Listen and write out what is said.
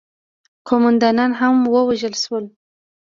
قوماندانان هم ووژل شول.